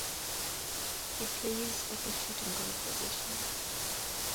He plays at the shooting guard position.